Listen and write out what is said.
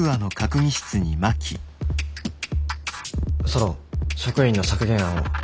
ソロン職員の削減案を。